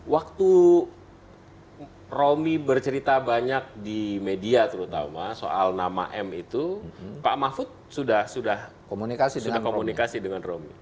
waktu romi bercerita banyak di media terutama soal nama m itu pak mahfud sudah komunikasi dengan romi